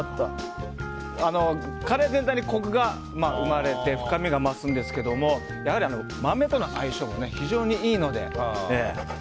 カレー全体にコクが生まれて深みが増すんですけどやはり豆との相性も非常にいいので。